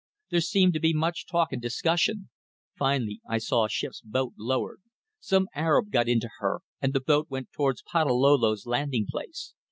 There seemed to be much talk and discussion. Finally I saw a ship's boat lowered. Some Arab got into her, and the boat went towards Patalolo's landing place.